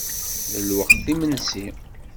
D lweqt imensi.